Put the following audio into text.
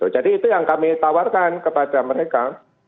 jadi itu yang kami tawarkan kepada mereka